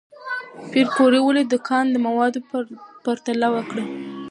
پېیر کوري ولې د کان د موادو پرتله وکړه؟